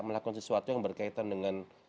melakukan sesuatu yang berkaitan dengan